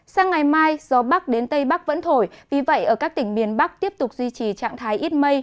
sang ngày mai gió bắc đến tây bắc vẫn thổi vì vậy ở các tỉnh miền bắc tiếp tục duy trì trạng thái ít mây